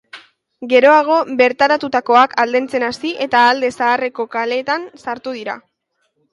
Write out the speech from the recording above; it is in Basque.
Geroago, bertaratutakoak aldentzen hasi eta alde zaharreko kaletan sartu dira.